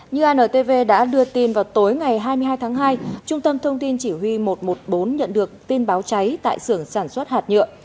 như antv đã đưa tin vào tối ngày hai mươi hai tháng hai trung tâm thông tin chỉ huy một trăm một mươi bốn nhận được tin báo cháy tại sưởng sản xuất hạt nhựa